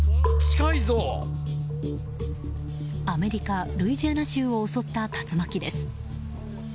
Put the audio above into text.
アメリカ・ルイジアナ州を襲った竜巻です。